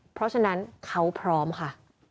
เพราะฉะนั้นเขาพร้อมค่ะ